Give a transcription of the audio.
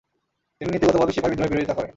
তিনি নীতিগতভাবে সিপাহী বিদ্রোহের বিরোধিতা করেন।